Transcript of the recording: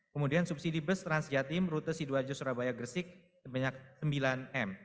kemudian subsidi bus transjatim rute sidoarjo surabaya gresik sebanyak sembilan m